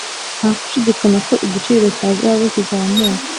nta gushidikanya ko igiciro cya zahabu kizamuka.